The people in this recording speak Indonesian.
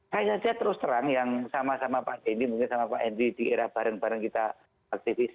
saya terus terang yang sama sama pak dendi mungkin sama pak endri di era bareng bareng kita aktivis